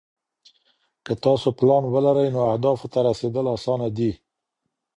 که تاسو پلان ولرئ نو اهدافو ته رسیدل اسانه دي.